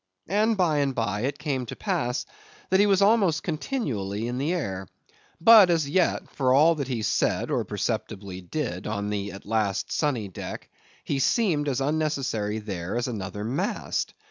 And, by and by, it came to pass, that he was almost continually in the air; but, as yet, for all that he said, or perceptibly did, on the at last sunny deck, he seemed as unnecessary there as another mast.